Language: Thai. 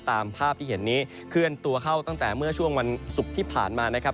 ตามภาพที่เห็นนี้เคลื่อนตัวเข้าตั้งแต่เมื่อช่วงวันศุกร์ที่ผ่านมานะครับ